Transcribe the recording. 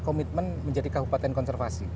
komitmen menjadi kabupaten konservasi